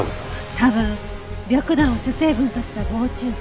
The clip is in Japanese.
多分白檀を主成分とした防虫剤。